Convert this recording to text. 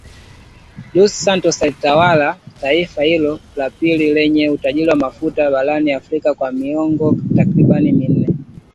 Dos Santos alitawala taifa hilo la pili lenye utajiri wa mafuta barani Afrika kwa miongo takriban minne